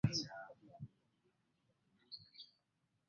Bakikole okusobola okukuuma abantu ba Kabaka nga balamu.